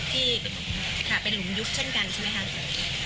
ที่เป็นหลุมยุบเช่นกันใช่ไหมคะ